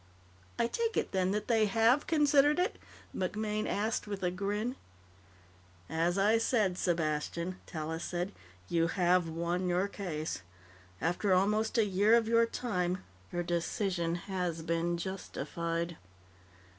"I take it, then, that they have considered it?" MacMaine asked with a grin. "As I said, Sepastian," Tallis said, "you have won your case. After almost a year of your time, your decision has been justified."